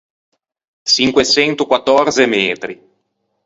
Çinque çento quattòrze metri.